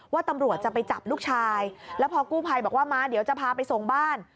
ว่าตำรวจจะไปจับลูกชายแล้วพอกู้ภัยบอกว่ามาเดี๋ยวจะพาไปส่งบ้าน